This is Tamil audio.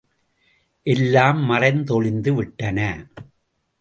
எல்லாம் மறைந்தொழிந்து விட்டன.